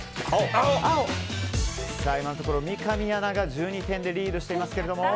今のところ三上アナが１２点でリードしています。